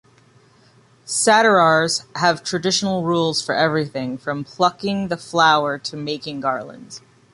Sattarars have traditional rules for everything - from plucking the flower to making garlands.